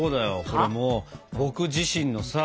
これもう僕自身のさ